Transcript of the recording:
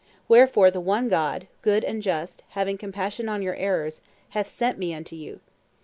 Wherefore the one God, good and just, having compassion on your errors, hath sent me unto you.